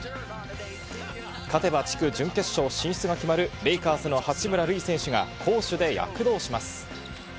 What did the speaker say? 勝てば地区準決勝進出が決まるレイカーズの八村塁選手が、攻守で躍動します。